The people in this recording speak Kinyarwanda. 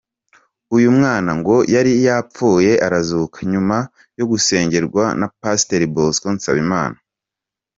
Uyu mwana ngo yari yapfuye arazuka nyuma yo gusengerwa na Pastor Bosco Nsabimana.